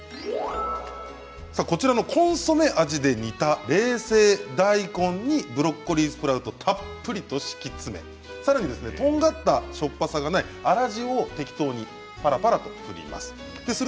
こちらのコンソメ味で煮た冷製大根にブロッコリースプラウトをたっぷり敷き詰めさらにとんがったしょっぱさがない粗塩を適当にぱらぱらっと振ります。